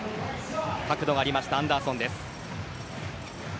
角度がありましたアンダーソンです。